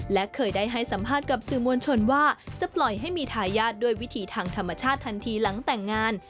และเคยได้ให้สัมภาษณ์กับสื่อมวลชนว่าจะปล่อยให้มีทายาทด้วยวิธีทางธรรมชาติทันทีหลังแต่งงาน